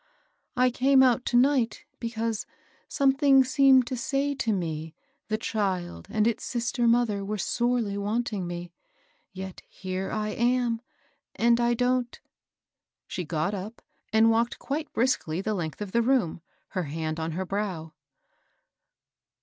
I came out to night, be cause something seemed to say to me the child and its sister mother were sorely wanting me ; yet here I am, and I don't "— She got up and walked quite briskly the length of the room, her hand on her brow.